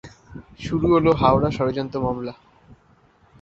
শুরু হল হাওড়া ষড়যন্ত্র মামলা।